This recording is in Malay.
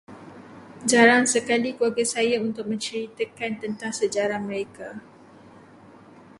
Jarang sekali keluarga saya untuk menceritakan tentang sejarah mereka.